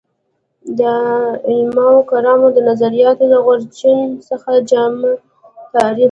د علمای کرامو د نظریاتو د غورچاڼ څخه جامع تعریف